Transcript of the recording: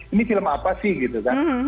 ini film apa sih gitu kan